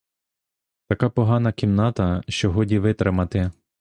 Така погана кімната, що годі витримати.